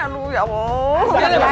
aduh ya allah